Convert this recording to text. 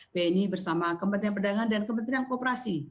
bni bersama kementerian perdagangan dan kementerian kooperasi